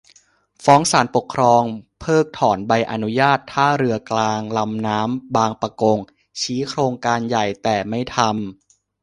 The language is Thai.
ฟ้องศาลปกครองเพิกถอนใบอนุญาตท่าเรือกลางลำน้ำบางปะกง ชี้โครงการใหญ่แต่ไม่ทำ